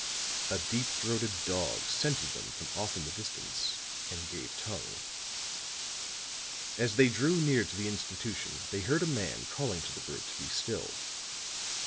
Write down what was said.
A deep throated dog scented them from off in the distance and gave tongue. As they drew near to the institution they heard a man calling to the brute to be still.